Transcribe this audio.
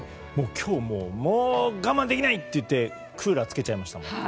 今日はもう我慢できないって言ってクーラーつけちゃいましたもん。